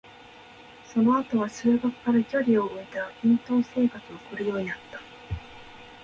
その後は、数学から距離を置いた隠遁生活を送るようになった。